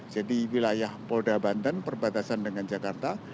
jadi wilayah polda banten perbatasan dengan jakarta